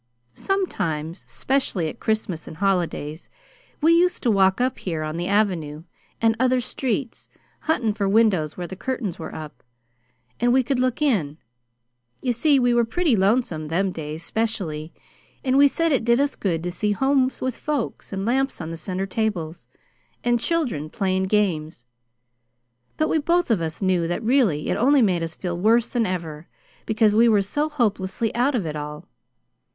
"Sometimes, 'specially at Christmas and holidays, we used to walk up here on the Avenue, and other streets, huntin' for windows where the curtains were up, and we could look in. You see, we were pretty lonesome, them days 'specially, and we said it did us good to see homes with folks, and lamps on the center tables, and children playin' games; but we both of us knew that really it only made us feel worse than ever, because we were so hopelessly out of it all.